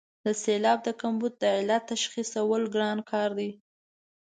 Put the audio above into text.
د سېلاب د کمبود د علت تشخیصول ګران کار دی.